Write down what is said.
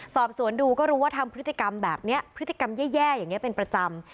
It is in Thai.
สอบสวนดูก็รู้ว่าทำพฤติกรรมแบบนี้พฤติกรรมแย่อย่างนี้เป็นประจำ